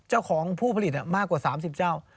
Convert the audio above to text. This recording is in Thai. เจ้าของผู้ผลิตมากกว่า๓๐เจ้า